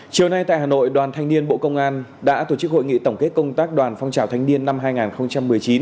chiều nay tại hà nội đoàn thanh niên bộ công an đã tổ chức hội nghị tổng kết công tác đoàn phong trào thanh niên năm hai nghìn một mươi chín